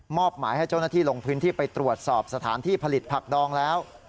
หมายให้เจ้าหน้าที่ลงพื้นที่ไปตรวจสอบสถานที่ผลิตผักดองแล้ว